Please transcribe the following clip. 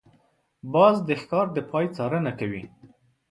باز د ښکار د پای څارنه کوي